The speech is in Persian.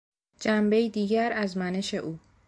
جنبهای دیگر از منش او